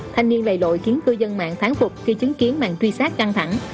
thanh niên lầy lội khiến cư dân mạng tháng phục khi chứng kiến mạng truy sát căng thẳng